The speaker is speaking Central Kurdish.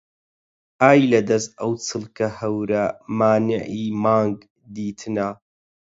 ئەی لە دەس ئەو چڵکە هەورە مانیعی مانگ دیتنە